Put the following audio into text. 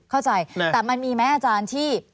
เข้าใจแต่มันมีไหมอาจารย์ที่